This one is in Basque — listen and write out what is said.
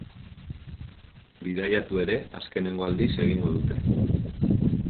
Bidaiatu ere azkenengo aldiz egingo dute.